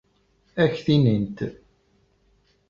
Ad ak-t-inint.